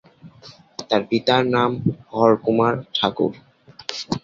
তার পিতার নাম হর কুমার ঠাকুর।